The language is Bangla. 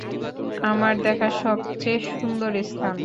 আমার দেখা সবচেয়ে সুন্দর স্থান।